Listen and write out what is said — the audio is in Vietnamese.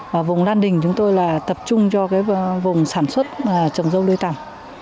và vùng lan đình chúng tôi là tập trung cho cái vùng sản xuất trồng râu lươi tằm